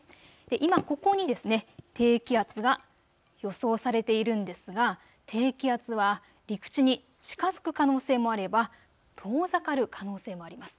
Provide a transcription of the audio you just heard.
今ここに低気圧が予想されているんですが低気圧は陸地に近づく可能性もあれば遠ざかる可能性もあります。